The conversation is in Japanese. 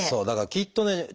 だからきっとね